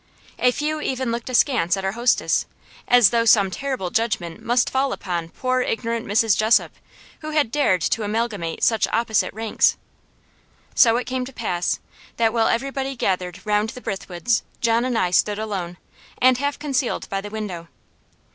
A few even looked askance at our hostess, as though some terrible judgment must fall upon poor ignorant Mrs. Jessop, who had dared to amalgamate such opposite ranks. So it came to pass, that while everybody gathered round the Brithwoods John and I stood alone, and half concealed by the window.